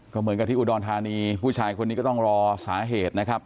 ก็เหมือนกับที่อุดรธานีผู้ชายคนนี้ก็ต้องรอสาเหตุนะครับ